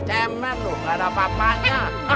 cemer tuh karena papanya